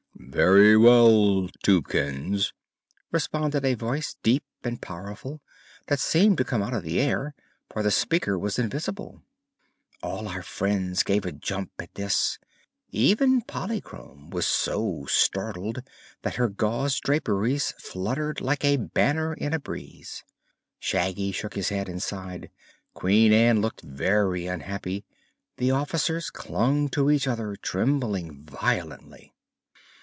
"Very well, Tubekins," responded a Voice, deep and powerful, that seemed to come out of the air, for the speaker was invisible. All our friends gave a jump, at this. Even Polychrome was so startled that her gauze draperies fluttered like a banner in a breeze. Shaggy shook his head and sighed; Queen Ann looked very unhappy; the officers clung to each other, trembling violently.